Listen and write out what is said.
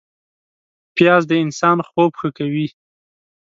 پیاز د انسان خوب ښه کوي